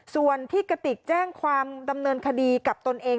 ส่วนที่กระติกแจ้งความดำเนินคดีกับตนเอง